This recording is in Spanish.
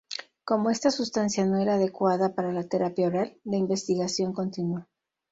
Como esta sustancia no era adecuada para la terapia oral, la investigación continuó.